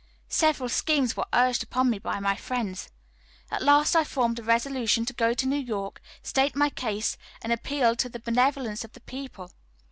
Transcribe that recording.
Several schemes were urged upon me by my friends. At last I formed a resolution to go to New York, state my case, and appeal to the benevolence of the people.